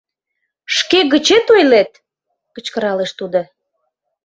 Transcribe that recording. Шке гычет ойлет! — кычкыралеш тудо.